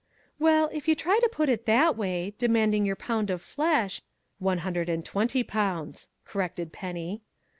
"Well, if you try to put it that way, demanding your pound of flesh " "One hundred and twenty pounds," corrected Penny.